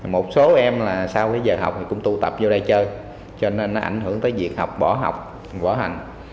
một số em là sau giờ học thì cũng tụ tập vô đây chơi cho nên nó ảnh hưởng tới việc học bỏ học bổ hành